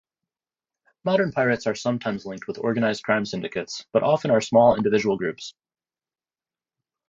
Modern pirates are sometimes linked with organized-crime syndicates, but often are small individual groups.